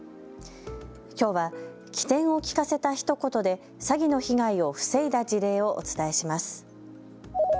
きょうは機転を利かせたひと言で詐欺の被害を防いだ事例をお伝えします。